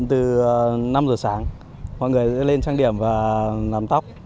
bận từ năm giờ sáng mọi người sẽ lên trang điểm và làm tóc